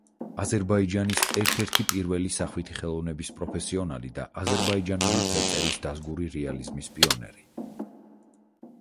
აზერბაიჯანის ერთ-ერთი პირველი სახვითი ხელოვნების პროფესიონალი და აზერბაიჯანული ფერწერის დაზგური რეალიზმის პიონერი.